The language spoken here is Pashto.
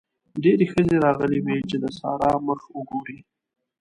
ډېرې ښځې راغلې وې چې د سارا مخ وګوري.